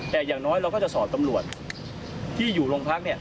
แต่อย่างน้อยเราก็จะสอบตำรวจที่อยู่โรงพักเนี่ย